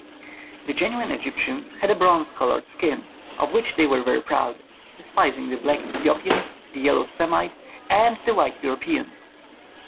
The genuine Egyptians had a bronze colored skin, of which they were very proud, despising the black Ethiopian, the yellow Semite, and the white European.